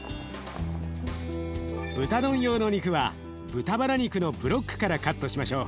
豚丼用の肉は豚ばら肉のブロックからカットしましょう。